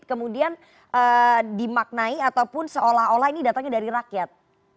kemudian dimaknai ataupun seolah olah ini datangnya dari rakyat